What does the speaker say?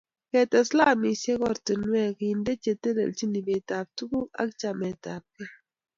Ketes ko alamisiekab oratinwek kende che telchin ibetap tuguk ak chametabkei